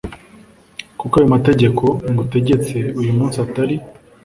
Kuko ayo mategeko ngutegetse uyu munsi atari